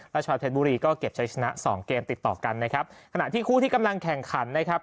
ชาวเพชรบุรีก็เก็บใช้ชนะสองเกมติดต่อกันนะครับขณะที่คู่ที่กำลังแข่งขันนะครับ